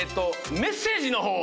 メッセージの方を。